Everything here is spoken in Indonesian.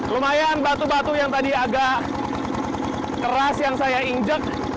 lumayan batu batu yang tadi agak keras yang saya injek